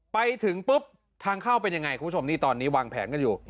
ไปถึงปุ๊บทางเข้าเป็นยังไงคุณผู้ชมนี่ตอนนี้วางแผนกันอยู่